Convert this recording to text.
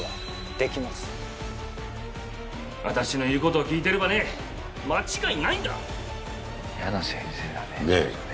私の言うことを聞いてればね間違いないんだ！